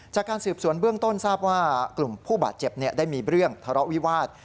จากการสืบสวนเบื้องต้นทราบว่ากลุ่มผู้บาดเจ็บได้มีเรื่องทะเลาะวิวาส